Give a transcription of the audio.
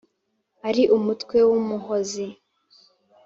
Ari umutwe w' Umuhozi